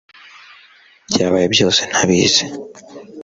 Ibyabaye byose ntabizi